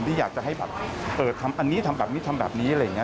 ที่อยากจะให้แบบทำอันนี้ทำแบบนี้ทำแบบนี้อะไรอย่างนี้